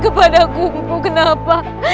kepadaku bu kenapa